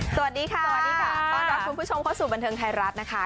สวัสดีค่ะสวัสดีค่ะต้อนรับคุณผู้ชมเข้าสู่บันเทิงไทยรัฐนะคะ